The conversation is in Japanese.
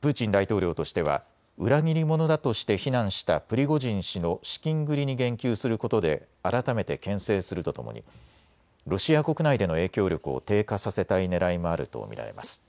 プーチン大統領としては裏切り者だとして非難したプリゴジン氏の資金繰りに言及することで改めてけん制するとともにロシア国内での影響力を低下させたいねらいもあると見られます。